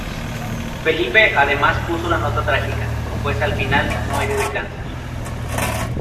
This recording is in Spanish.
Felipe además puso la nota trágica, pues al final muere de cáncer.